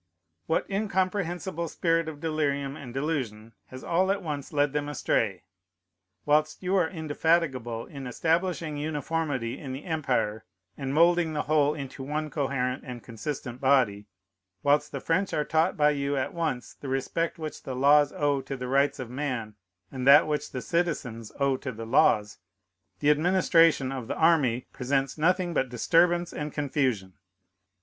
"What incomprehensible spirit of delirium and delusion has all at once led them astray? Whilst you are indefatigable in establishing uniformity in the empire and moulding the whole into one coherent and consistent body, whilst the French are taught by you at once the respect which the laws owe to the rights of man and that which the citizens owe to the laws, the administration of the army presents nothing but disturbance and confusion.